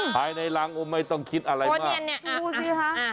ภายในรังไม่ต้องคิดอะไรมากพูดดิอันนี้อ่ะอ่ะ